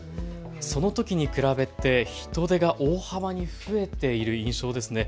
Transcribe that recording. そのときに比べて人出が大幅に増えている印象ですね。